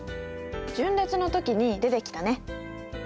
順列の時に出てきたね。